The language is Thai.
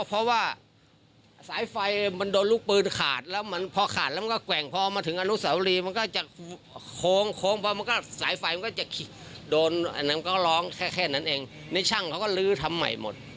เพราะว่าสายไฟมันโดนลูกปืนขาดแล้วมันพอขาดแล้วมันก็แกว่งพอมาถึงอนุสาวรีมันก็จะโค้งโค้งพอมันก็สายไฟมันก็จะโดนอันนั้นก็ร้องแค่แค่นั้นเองในช่างเขาก็ลื้อทำใหม่หมด